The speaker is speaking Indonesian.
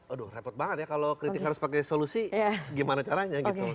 aduh repot banget ya kalau kritik harus pakai solusi gimana caranya gitu